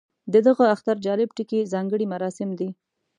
د دغه اختر جالب ټکی ځانګړي مراسم دي.